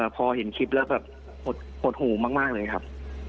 พอเห็นคลิปแล้วแบบหดหูมากเลยครับ